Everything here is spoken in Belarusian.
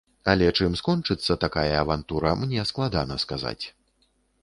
Але чым скончыцца такая авантура, мне складана сказаць.